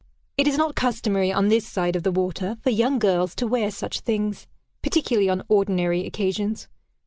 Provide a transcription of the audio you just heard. It is not customary, on this side of the water, for young girls to wear such things particularly on ordinary occasions.